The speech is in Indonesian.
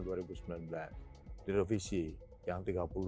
di provisi yang tiga puluh dua ribu dua